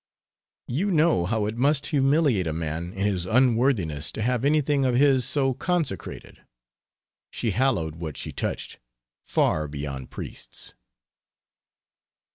You know how it must humiliate a man in his unworthiness to have anything of his so consecrated. She hallowed what she touched, far beyond priests."